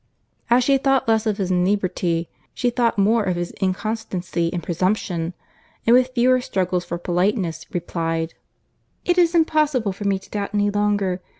As she thought less of his inebriety, she thought more of his inconstancy and presumption; and with fewer struggles for politeness, replied, "It is impossible for me to doubt any longer.